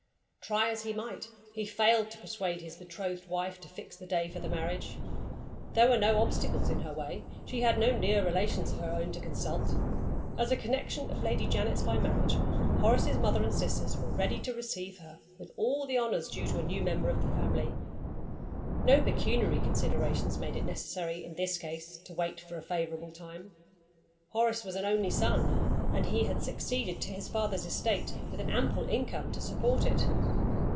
Try as he might, he failed to persuade his betrothed wife to fix the day for the marriage. There were no obstacles in her way. She had no near relations of her own to consult. As a connection of Lady Janet's by marriage, Horace's mother and sisters were ready to receive her with all the honors due to a new member of the family. No pecuniary considerations made it necessary, in this case, to wait for a favorable time. Horace was an only son; and he had succeeded to his father's estate with an ample income to support it.